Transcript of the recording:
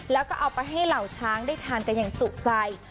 แล้วก็เอาไปให้เหล่าช้างได้ทานกันอย่างจุใจ